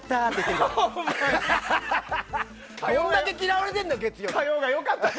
どれだけ嫌われてんねん！